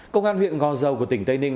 công an huyện ngò dầu của tỉnh tây ninh